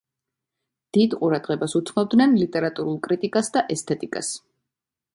დიდ ყურადღებას უთმობდნენ ლიტერატურულ კრიტიკას და ესთეტიკას.